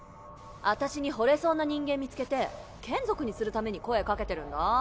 あたしにほれそうな人間見つけて眷属にするために声掛けてるんだ。